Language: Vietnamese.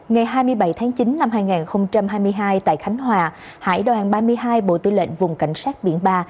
ngày hai mươi bảy tháng chín năm hai nghìn hai mươi hai tại khánh hòa hải đoàn ba mươi hai bộ tư lệnh vùng cảnh sát biển ba